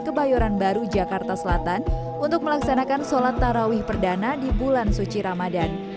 kebayoran baru jakarta selatan untuk melaksanakan sholat tarawih perdana di bulan suci ramadan